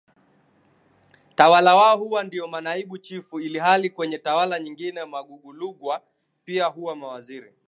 tawala wao huwa ndio Manaibu Chifu ilhali kwenye tawala nyingine Magungulugwa pia huwa Mawaziri